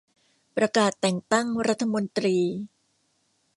ประกาศแต่งตั้งรัฐมนตรี